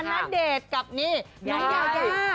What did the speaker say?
นัดเดทกับนี่น้องยาว